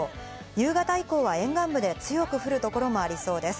夕方以降は沿岸部で強く降る所もありそうです。